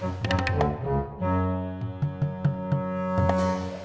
yaudah bapak ganti pakaian dulu